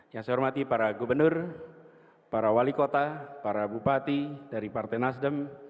yang saya hormati para gubernur para wali kota para bupati dari partai nasdem